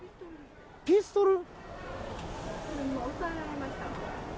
ピストル？